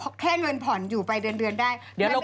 เพราะแค่เงินผ่อนอยู่ไปเดือนได้